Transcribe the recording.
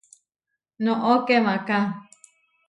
¡Noʼó kemaká!